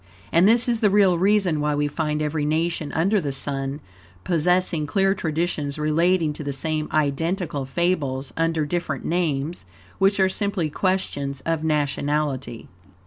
And this is the real reason why we find every nation under the Sun possessing clear traditions relating to the same identical fables, under different names, which are simply questions of nationality.